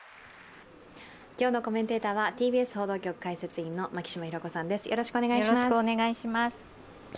今日のコメンテーターはＴＢＳ報道局解説委員の牧嶋博子さんです。